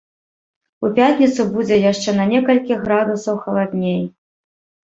У пятніцу будзе яшчэ на некалькі градусаў халадней.